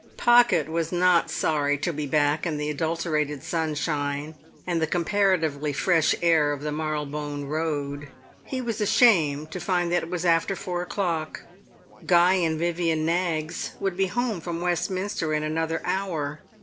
Pocket was not sorry to be back in the adulterated sunshine and the comparatively fresh air of the Marylebone Road. He was ashamed to find that it was after four o'clock. Guy and Vivian Knaggs would be home from Westminster in another hour.